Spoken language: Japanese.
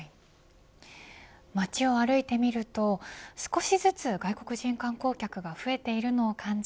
街を歩いてみると少しずつ外国人観光客が増えているのを感じ